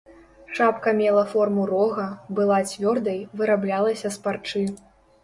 Шапка мела форму рога, была цвёрдай, выраблялася з парчы.